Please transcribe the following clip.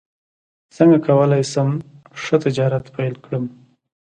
څنګه کولی شم ښه تجارت پیل کړم